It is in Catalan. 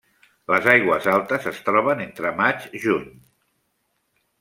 Les aigües altes es troben entre maig-juny.